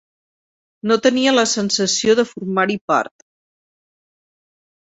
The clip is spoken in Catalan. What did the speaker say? No tenia la sensació de formar-hi part.